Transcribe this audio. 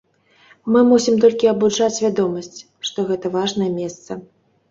Мы мусім толькі абуджаць свядомасць, што гэта важнае месца.